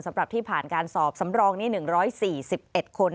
สำหรับที่ผ่านการสอบสำรองนี้๑๔๑คน